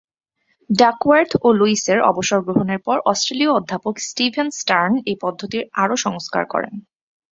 Duckworth ও লুইসের অবসর গ্রহণের পর অস্ট্রেলীয় অধ্যাপক স্টিভেন স্টার্ন এ পদ্ধতির আরও সংস্কার করেন।